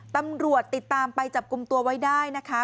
ตำรวจติดตามไปจับกลุ่มตัวไว้ได้นะคะ